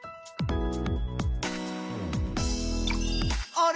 あれ？